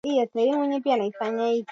Kifo cha ghafla cha ngamia